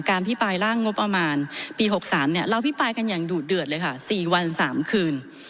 พิปรายร่างงบประมาณปี๖๓เราอภิปรายกันอย่างดูดเดือดเลยค่ะ๔วัน๓คืน